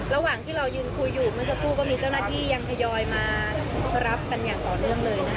ระหว่างที่เรายืนคุยอยู่เมื่อสักครู่ก็มีเจ้าหน้าที่ยังทยอยมารับกันอย่างต่อเนื่องเลยนะคะ